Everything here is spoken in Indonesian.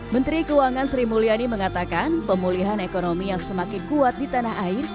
menteri keuangan sri mulyani mengatakan pemulihan ekonomi yang semakin kuat di tanah air